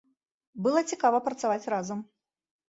Было цікава працаваць разам.